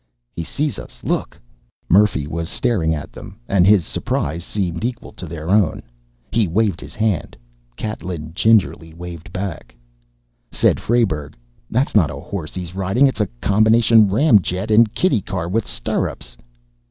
"He sees us.... Look...." Murphy was staring at them, and his surprise seemed equal to their own. He waved his hand. Catlin gingerly waved back. Said Frayberg, "That's not a horse he's riding. It's a combination ram jet and kiddie car with stirrups!"